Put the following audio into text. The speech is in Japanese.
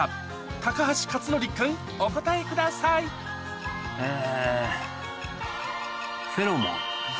高橋克典君お答えくださいえ。